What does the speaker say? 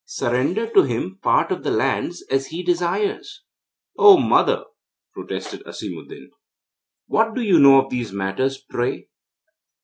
Surrender to him part of the lands as he desires.' 'Oh, mother!' protested Asimuddin. 'What do you know of these matters, pray?'